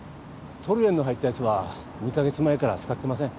トルエンの入ったやつは２カ月前から使ってません。